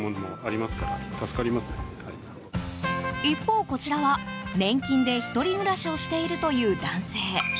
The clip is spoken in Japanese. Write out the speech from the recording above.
一方、こちらは年金で１人暮らしをしているという男性。